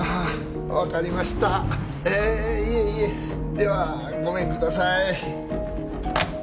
ではごめんください。